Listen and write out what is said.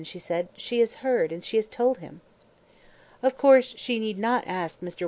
she said. "She has heard, and has told him." Of course she need not ask Mr. Wyse to tea now.